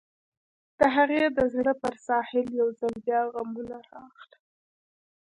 د هغې د زړه پر ساحل يو ځل بيا غمونه راغلل.